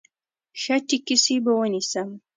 ښه ټیکسي به ونیسم.